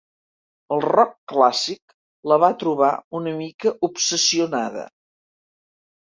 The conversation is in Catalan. El "rock clàssic" la va trobar una mica obsessionada.